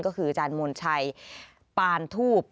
ก็คืออาจารย์มวลชัยปานทูบ